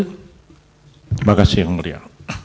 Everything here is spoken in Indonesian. terima kasih pak ria